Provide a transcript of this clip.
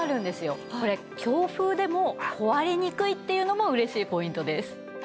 これ強風でも壊れにくいっていうのも嬉しいポイントです。